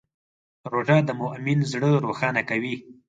روژه د مؤمن زړه روښانه کوي.